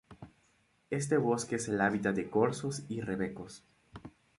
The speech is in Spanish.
Este bosque es el hábitat de corzos y rebecos.